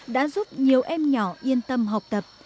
và nhiều em nhỏ yên tâm học tập